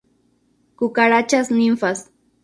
Cucarachas ninfas.